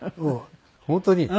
本当に。